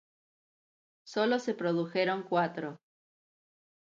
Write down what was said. Sólo se produjeron cuatro.